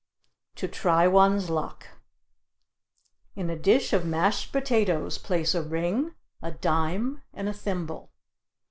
TO TRY ONE'S LUCK In a dish of mashed potatoes place a ring, a dime, and a thimble.